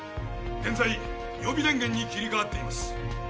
現在予備電源に切り替わっています。